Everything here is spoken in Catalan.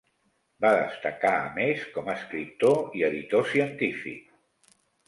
Va destacar, a més, com escriptor i editor científic.